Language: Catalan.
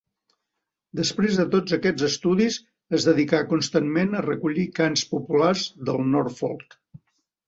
Després de tots aquests estudis, es dedicà constantment a recollir cants populars del Norfolk.